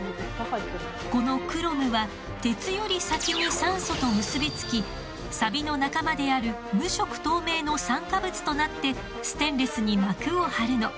このクロムは鉄より先に酸素と結び付きサビの仲間である無色透明の酸化物となってステンレスに膜を張るの。